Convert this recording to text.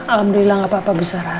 alhamdulillah gak apa apa bu sara